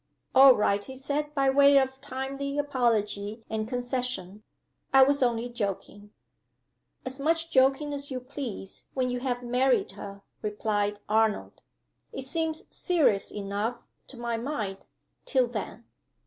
"All right," he said, by way of timely apology and concession. "I was only joking." "As much joking as you please, when you have married her," replied Arnold. "It seems serious enough, to my mind, till then."